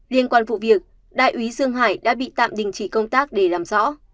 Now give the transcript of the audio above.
liên quan vụ việc đại úy dương hải đã bị tạm đình chỉ công tác để làm rõ